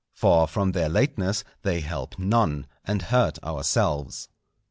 For from their lateness they help none, and hurt ourselves.